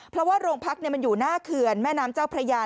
เพราะว่าโรงพักมันอยู่หน้าเขื่อนแม่น้ำเจ้าพระยา